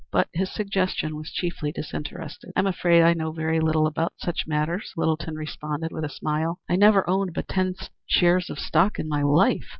But his suggestion was chiefly disinterested. "I'm afraid I know very little about such matters," Littleton responded with a smile. "I never owned but ten shares of stock in my life."